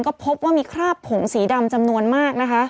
ก็พบว่ามีคราบผงสีดำจำนวนมากนะคะ